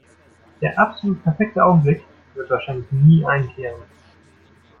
Der absolut perfekte Augenblick wird wahrscheinlich nie einkehren.